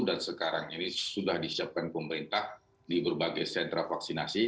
dan sekarang ini sudah disiapkan pemerintah di berbagai sentra vaksinasi